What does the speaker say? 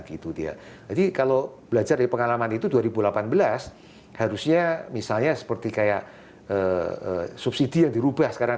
jadi kalau belajar dari pengalaman itu dua ribu delapan belas harusnya misalnya seperti kayak subsidi yang dirubah sekarang